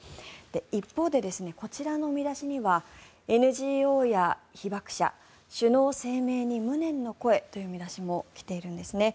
一方で、こちらの見出しには「ＮＧＯや被爆者首脳声明に無念の声」という見出しも来ているんですね。